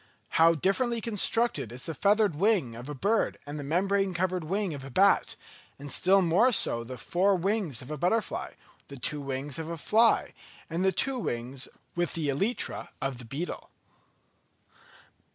How differently constructed is the feathered wing of a bird and the membrane covered wing of a bat; and still more so the four wings of a butterfly, the two wings of a fly, and the two wings with the elytra of a beetle.